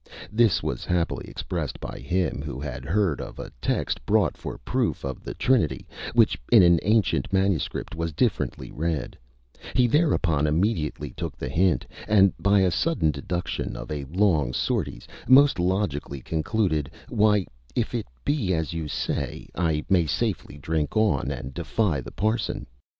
This was happily expressed by him who had heard of a text brought for proof of the Trinity, which in an ancient manuscript was differently read; he thereupon immediately took the hint, and by a sudden deduction of a long Sorites, most logically concluded: why, if it be as you say, I may safely drink on, and defy the parson.